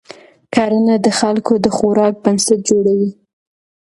کرنه د خلکو د خوراک بنسټ جوړوي